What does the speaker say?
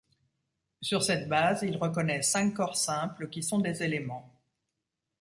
Sur cette base, il reconnaît cinq corps simples qui sont des éléments.